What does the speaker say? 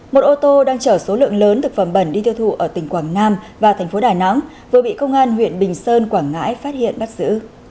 một ô tô đang chở số lượng lớn thực phẩm bẩn đi tiêu thụ ở tỉnh quảng nam và thành phố đà nẵng vừa bị công an huyện bình sơn quảng ngãi phát hiện bắt giữ